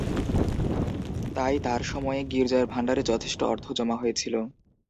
তাই, তার সময়ে গির্জার ভাণ্ডারে যথেষ্ট অর্থ জমা হয়েছিল।